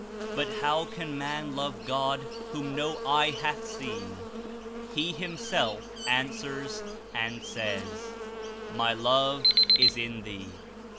But how can man love God whom no eye hath seen ? He, Himself, answers and says: ''My Love is in thee.